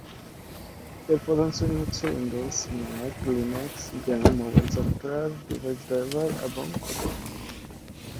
এর প্রধান শ্রেণী হচ্ছে Windows, Mac, Linux, game, mobile software, device driver এবং খবর।